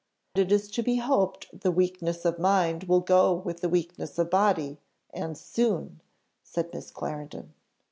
"It is to be hoped the weakness of mind will go with the weakness of body, and soon," said Miss Clarendon.